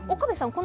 岡部さん